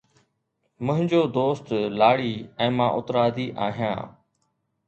منھنجو دوست لاڙي ۽ مان اترادي آھيان.